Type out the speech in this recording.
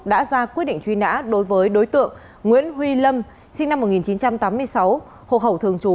đã ra quyết định truy nã đối với đối tượng nguyễn huy lâm sinh năm một nghìn chín trăm tám mươi sáu hộ khẩu thường trú